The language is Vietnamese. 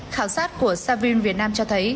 khảo sát của savin việt nam cho thấy